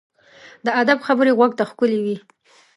د ادب خبرې غوږ ته ښکلي وي.